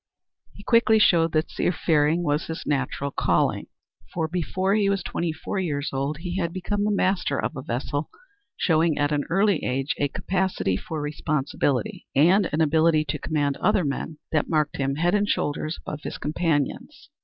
He quickly showed that seafaring was his natural calling, for before he was twenty four years old he had become the master of a vessel, showing at an early age a capacity for responsibility and an ability to command other men that marked him head and shoulders above his companions.